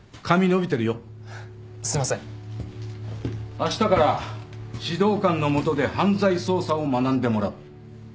あしたから指導官の下で犯罪捜査を学んでもらう。